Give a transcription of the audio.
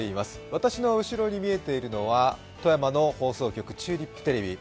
私の後ろに見えているのは富山の放送局、チューリップテレビ。